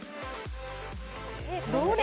どれ？